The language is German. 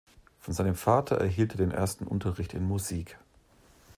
Von seinem Vater erhielt er den ersten Unterricht in Musik.